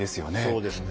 そうですね。